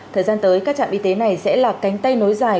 thời gian tới các trạm y tế này sẽ là cánh tay nối dài